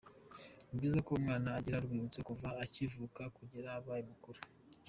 Nibyiza ko umwana agira urwibutso kuva akivuka kugera abaye mukuru.